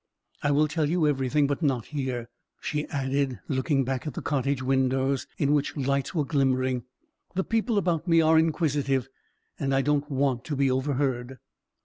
I will tell you everything, but not here," she added, looking back at the cottage windows, in which lights were glimmering; "the people about me are inquisitive, and I don't want to be overheard."